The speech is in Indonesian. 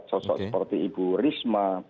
sosok seperti ibu risma